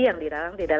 yang di dalam ketentuan